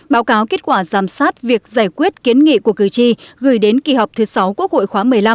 báo cáo kết quả giám sát việc giải quyết kiến nghị của cử tri gửi đến kỳ họp thứ sáu quốc hội khóa một mươi năm